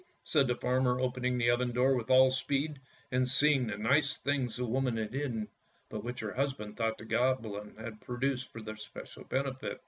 " said the farmer, opening the oven door with all speed, and seeing the nice things the woman had hidden, but which her husband thought the Goblin had produced for their special benefit.